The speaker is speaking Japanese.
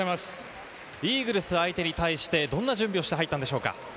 イーグルス相手にどんな準備をして入ったのでしょうか？